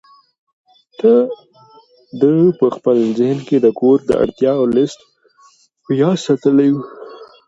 ده په خپل ذهن کې د کور د اړتیاوو لست په یاد ساتلی و.